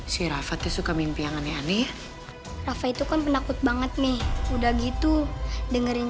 si rafatnya suka mimpi yang aneh aneh rafa itu kan penakut banget nih udah gitu dengerin